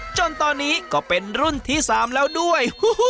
จนตอนนี้ก็เป็นรุ่นที่๓แล้วด้วย